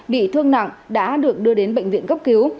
bị thương nặng đã được đưa đến bệnh viện cấp cứu